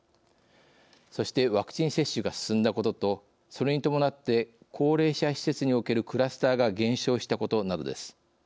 そして、ワクチン接種が進んだことと、それに伴って高齢者施設におけるクラスターが減少したことなどです。